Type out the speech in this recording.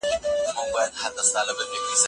سګرېټ د دماغ زیان سبب کېږي.